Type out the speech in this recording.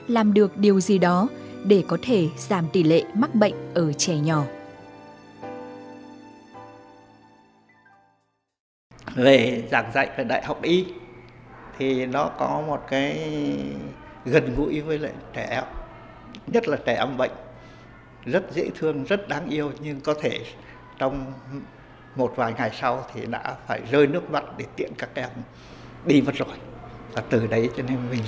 làm được điều gì đó để có thể giảm tỷ lệ mắc bệnh ở trẻ nhỏ